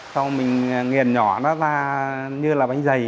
sau mình nghiền nhỏ nó ra như là bánh dày